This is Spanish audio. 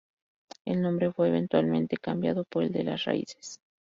El nombre fue eventualmente cambiado por el de Las Raíces.